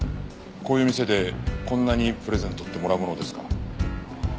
こういう店でこんなにプレゼントってもらうものですか？